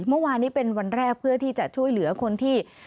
เมื่อวานนี้เป็นวันแรกเพื่อที่จะช่วยเหลือคนที่